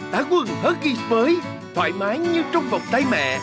tạ quân herkis mới thoải mái như trong vòng tay mẹ